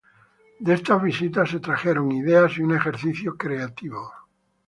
De estas visitas se trajeron ideas y un ejercicio creativo.